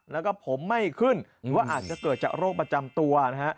แล้วก็ผมไม่ขึ้นหรือว่าอาจจะเกิดจากโรคประจำตัวนะฮะ